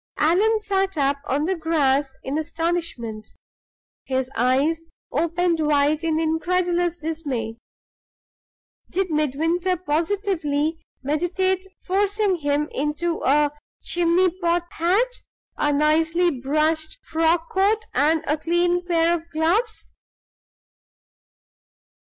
Allan sat up on the grass in astonishment; his eyes opened wide in incredulous dismay. Did Midwinter positively meditate forcing him into a "chimney pot hat," a nicely brushed frock coat, and a clean pair of gloves?